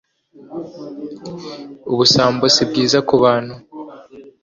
ubusambo si bwiza ku bantu